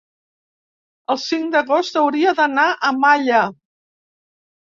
el cinc d'agost hauria d'anar a Malla.